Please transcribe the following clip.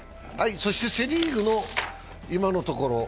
そしてセ・リーグの今のところ。